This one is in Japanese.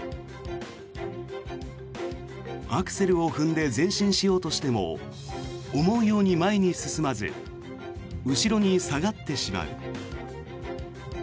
アクセルを踏んで前進しようとしても思うように前に進まず後ろに下がってしまう。